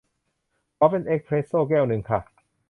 ขอเป็นเอสเพรสโซแก้วนึงค่ะ